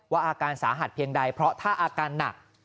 อาการสาหัสเพียงใดเพราะถ้าอาการหนัก